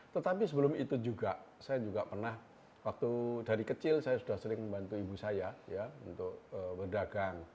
tetapi sebelum itu juga saya juga pernah waktu dari kecil saya sudah sering membantu ibu saya untuk berdagang